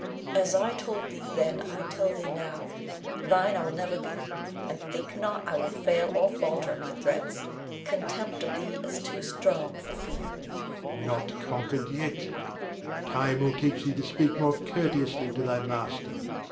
As I told thee then, I tell thee now, thine I will never be; and think not I will fail or falter at thy threats. Contempt of thee is too strong for fear. Rod. Not conquered yet. Time will teach thee to speak more courteously to thy master.